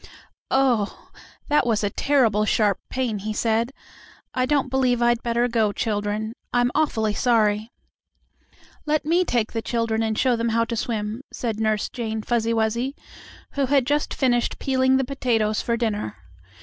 "Oh, that was a terrible sharp pain," he said. "I don't believe I'd better go, children. I'm awfully sorry " "Let me take the children and show them how to swim," said Nurse Jane Fuzzy Wuzzy, who had just finished peeling the potatoes for dinner.